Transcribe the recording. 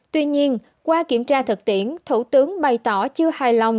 tuy nhiên qua kiểm tra thực tiễn thủ tướng bày tỏ chưa hài lòng